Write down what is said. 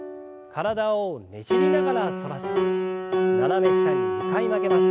体をねじりながら反らせて斜め下に２回曲げます。